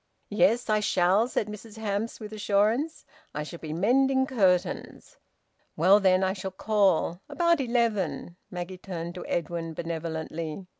"Yes, I shall," said Mrs Hamps, with assurance. "I shall be mending curtains." "Well, then, I shall call. About eleven." Maggie turned to Edwin benevolently.